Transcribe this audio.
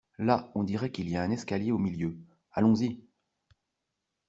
Là, on dirait qu'il y a un escalier au milieu. Allons-y!